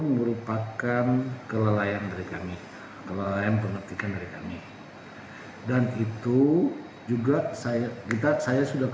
merupakan kelelayan dari kami kalau yang pengetikan dari kami dan itu juga saya kita saya sudah